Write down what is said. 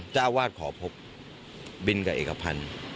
เจ้าอาวาสขอพบบินกับเอกพันธ์